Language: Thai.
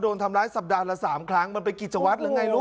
โดนทำร้ายสัปดาห์ละ๓ครั้งมันเป็นกิจวัตรหรือไงรู้